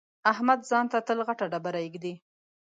احمد ځان ته تل غټه ډبره اېږدي.